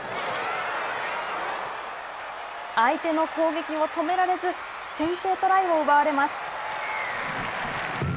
相手の攻撃を止められず先制トライを奪われます。